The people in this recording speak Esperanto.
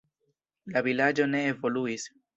La vilaĝo ne evoluis.